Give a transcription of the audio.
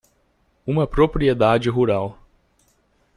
Uma propriedade rural